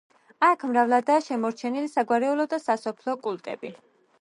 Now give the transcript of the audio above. აქ მრავლადაა შემორჩენილი საგვარეულო და სასოფლო კულტები.